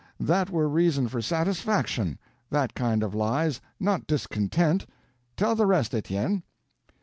That were reason for satisfaction—that kind of lies—not discontent. Tell the rest, Etienne."